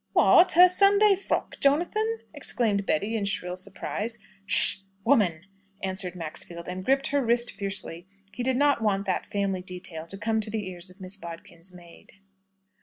"What! her Sunday frock, Jonathan?" exclaimed Betty in shrill surprise. "'Sh! woman!" answered Maxfield, and gripped her wrist fiercely. He did not want that family detail to come to the ears of Miss Bodkin's maid.